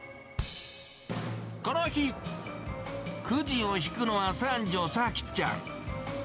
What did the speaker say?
この日、くじを引くのは三女、幸ちゃん。